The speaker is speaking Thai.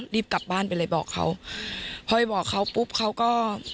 รีบกลับบ้านไปเลยบอกเขาพอไปบอกเขาปุ๊บเขาก็